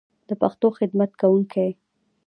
د پښتو خدمت کوونکی